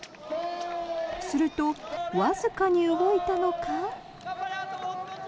すると、わずかに動いたのか。